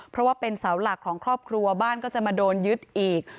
เพราะว่าเป็นเสาหลักของครอบครัวบ้านก็จะมาโดนยึดอีก